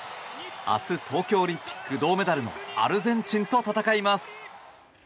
明日、東京オリンピック銅メダルのアルゼンチンと戦います。